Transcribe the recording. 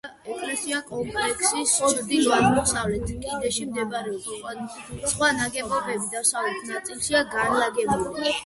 ეკლესია კომპლექსის ჩრდილო-აღმოსავლეთ კიდეში მდებარეობს, სხვა ნაგებობები დასავლეთ ნაწილშია განლაგებული.